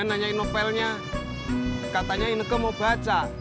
anu novelnya belum selesai gue baca